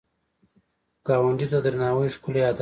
ګاونډي ته درناوی ښکلی عادت دی